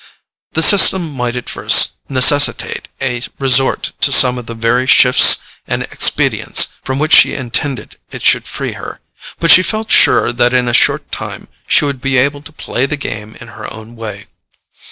The system might at first necessitate a resort to some of the very shifts and expedients from which she intended it should free her; but she felt sure that in a short time she would be able to play the game in her own way.